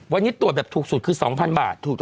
วันนี้ตรวจแบบถูกสุดคือ๒๐๐บาท